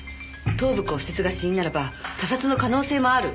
頭部骨折が死因ならば他殺の可能性もある。